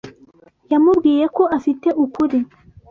Yamubwiye ko afite ukuri.